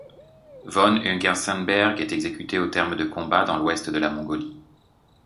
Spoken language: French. Von Ungern-Sternberg est exécuté au terme de combats dans l'Ouest de la Mongolie.